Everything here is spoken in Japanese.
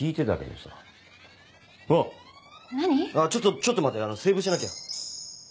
ちょっと待ってセーブしなきゃ。